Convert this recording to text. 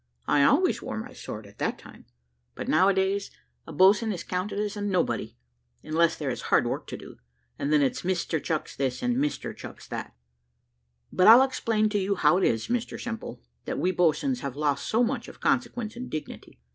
I always wore my sword at that time; but now a days, a boatswain is counted as nobody, unless there is hard work to do, and then it's Mr Chucks this, and Mr Chucks that. But I'll explain to you how it is, Mr Simple, that we boatswains have lost so much of consequence and dignity.